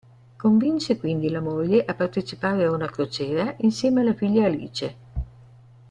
Convince quindi la moglie a partecipare a una crociera insieme alla figlia Alice.